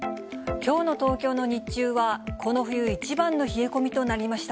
きょうの東京の日中は、この冬一番の冷え込みとなりました。